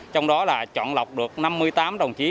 trong đó là chọn lọc được năm mươi tám đồng chí